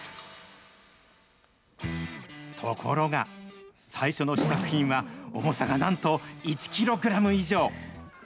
ところが、最初の試作品は、重さがなんと１キログラム以上。